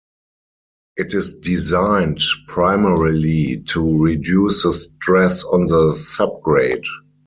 It is designed primarily to reduce the stress on the subgrade.